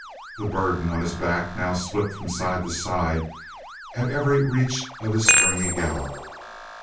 The burden on his back now slipped from side to side at every reach of his springy gallop.